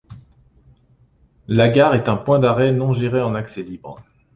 La gare est un point d'arrêt non géré en accès libre.